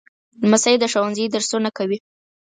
لمسی د ښوونځي درسونه کوي.